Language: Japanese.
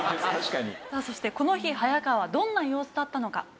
さあそしてこの日早川はどんな様子だったのか